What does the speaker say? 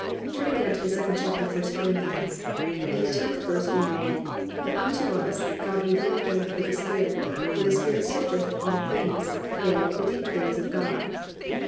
(1) Turn again to the 2nd chapter of 1 Corinthians. In the 10th verse, we read, +"But unto us, God revealed them through the Spirit: for the Spirit searcheth all things, yea, the deep things of God."